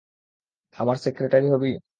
আমার সেক্রেটারি হবি?